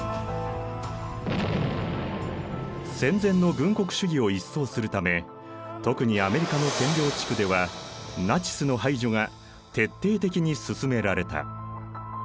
戦前の軍国主義を一掃するため特にアメリカの占領地区ではナチスの排除が徹底的に進められた。